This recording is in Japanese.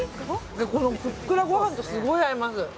このふっくらご飯とすごい合います。